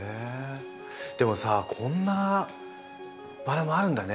でもさこんなバラもあるんだね。